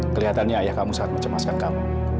kelihatannya ayah kamu sangat mencemaskan kamu